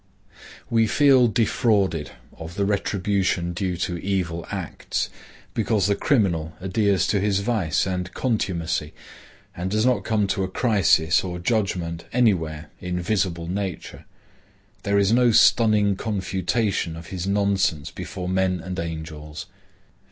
We feel defrauded of the retribution due to evil acts, because the criminal adheres to his vice and contumacy and does not come to a crisis or judgment anywhere in visible nature. There is no stunning confutation of his nonsense before men and angels.